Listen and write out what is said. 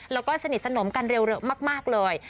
แล้วก็สนิทสนมกันเร็วมากเลย